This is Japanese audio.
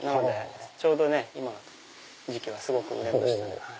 ちょうど今の時期はすごく売れました。